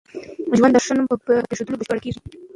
ژوند د ښه نوم په پرېښوولو بشپړېږي.